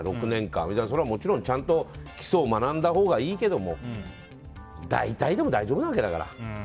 ６年間、もちろんちゃんと基礎を学んだほうがいいけれども大体でも大丈夫なわけだから。